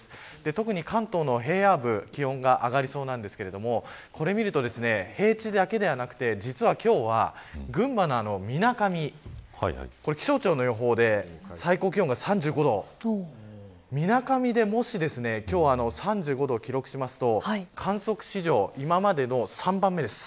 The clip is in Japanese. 特に関東の平野部気温が上がりそうなんですがこれを見ると平地だけではなくて実は今日は、群馬のみなかみ気象庁の予報で最高気温が３５度みなかみで、もし今日３５度を記録すると観測史上、今までの３番目です。